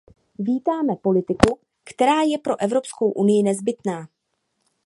Vítáme politiku, která je pro Evropskou unii nezbytná.